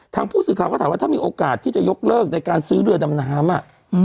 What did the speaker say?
ทางผู้สื่อข่าวก็ถามว่าถ้ามีโอกาสที่จะยกเลิกในการซื้อเรือดำน้ำ